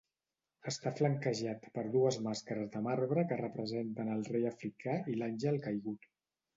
Està flanquejat per dues mascares de marbre que representen el rei africà i l'àngel caigut.